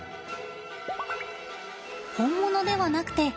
本物ではなくて。